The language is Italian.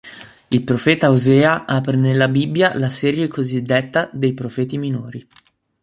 Il profeta Osea apre nella Bibbia la serie cosiddetta dei profeti minori.